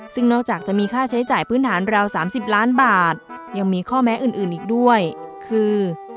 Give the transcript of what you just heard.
ซึ่งนอกจากจะมีค่าใช้จ่ายพื้นฐานราว๓๐ล้านบาทยังมีข้อแม้อื่นอีกด้วยคือ